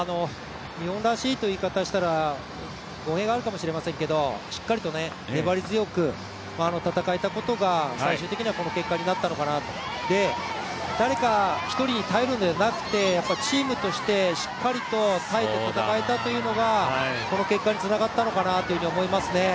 日本らしいという言い方をしたら語弊があるかもしれませんけど、しっかりと粘り強く戦えたのが最終的にこの結果になったのかなと誰か１人に頼るのではなくてチームとしてしっかりと耐えて戦えたというのがこの結果につながったのかなというふうに思いますね。